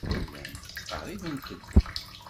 Llant ttqerribent-d.